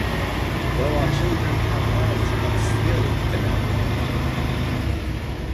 Though our children have eyes but still they are blind!